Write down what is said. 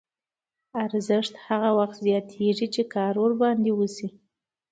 ارزښت هغه وخت زیاتېږي چې کار ورباندې وشي